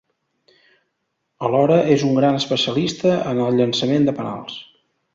Alhora, és un gran especialista en el llançament de penals.